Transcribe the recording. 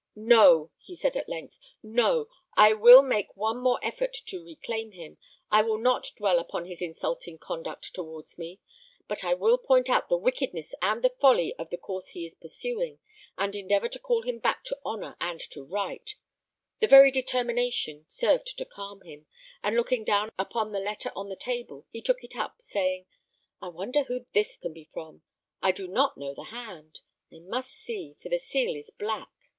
"No!" he said, at length "No. I will make one more effort to reclaim him. I will not dwell upon his insulting conduct towards me; but I will point out the wickedness and the folly of the course he is pursuing, and endeavour to call him back to honour and to right." The very determination served to calm him; and looking down upon the letter on the table, he took it up, saying, "I wonder who this can be from? I do not know the hand. I must see, for the seal is black."